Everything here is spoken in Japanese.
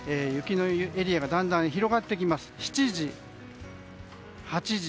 雪のエリアがだんだん広がってきます。